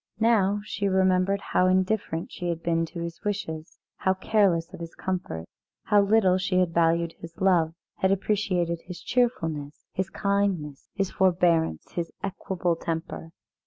Now she remembered how indifferent she had been to his wishes, how careless of his comforts; how little she had valued his love, had appreciated his cheerfulness, his kindness, his forbearance, his equable temper.